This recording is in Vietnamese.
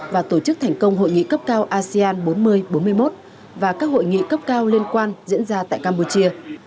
và tổ chức thành công hội nghị cấp cao asean bốn mươi bốn mươi một và các hội nghị cấp cao liên quan diễn ra tại campuchia